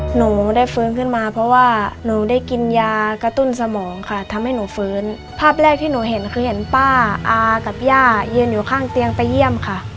หนูได้ฟื้นขึ้นมาเพราะว่าหนูได้กินยากระตุ้นสมองค่ะทำให้หนูฟื้นภาพแรกที่หนูเห็นคือเห็นป้าอากับย่ายืนอยู่ข้างเตียงไปเยี่ยมค่ะ